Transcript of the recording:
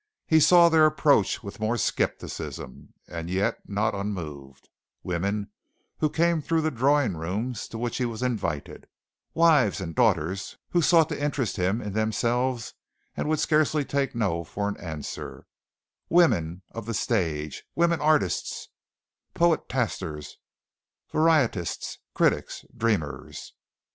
He saw their approach with more skepticism, and yet not unmoved women who came through the drawing rooms to which he was invited, wives and daughters who sought to interest him in themselves and would scarcely take no for an answer; women of the stage women artists, poetasters, "varietists," critics, dreamers.